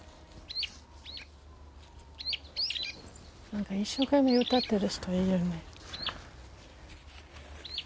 何か一生懸命歌ってる人いるよね。